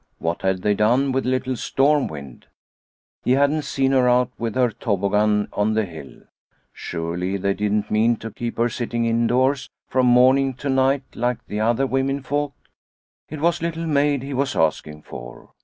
What had they done with little Stormwind ? He hadn't seen her out with her toboggan on the hill. Surely they didn't mean to keep her sitting indoors from morning to night like the other womenfolk. It was Little Maid he was asking for.